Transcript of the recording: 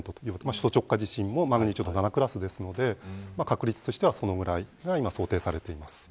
首都直下地震もマグニチュード７クラスですので確率としてはそのぐらいが今想定されてます。